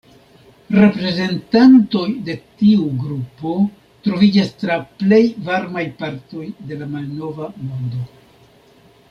Reprezentantoj de tiu grupo troviĝas tra plej varmaj partoj de la Malnova Mondo.